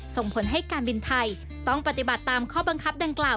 ส่งผลให้การบินไทยต้องปฏิบัติตามข้อบังคับดังกล่าว